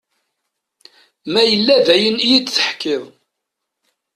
Ma yella d ayen iyi-d-teḥkiḍ.